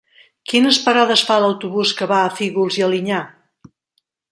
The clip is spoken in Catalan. Quines parades fa l'autobús que va a Fígols i Alinyà?